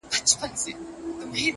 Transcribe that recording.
ه چیري یې د کومو غرونو باد دي وهي؛